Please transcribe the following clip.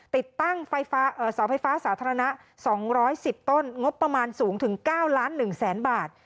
ติดตั้งเสาไฟฟ้าสาธารณะ๒๑๐ต้นงบประมาณสูงถึง๙ล้าน๑แสนบาท